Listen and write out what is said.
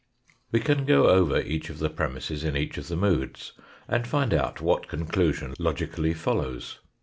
We can go over each of the premisses in each of the moods, and find out what conclusion logically follows.